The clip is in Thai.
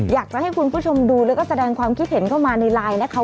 อยากจะให้คุณผู้ชมดูแล้วก็แสดงความคิดเห็นเข้ามาในไลน์นะคะ